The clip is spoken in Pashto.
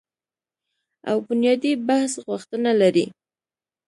او بنیادي بحث غوښتنه لري